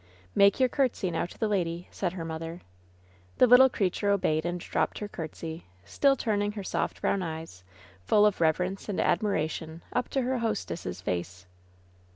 "Make your courtesy now to the lady," said her mother. The little creature obeyed and dropped her courtesy, still turning her soft brown eyes, full of reverence and admiration, up to her hostess' face.